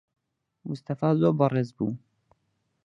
موستەفا زۆر بەڕێز بوو.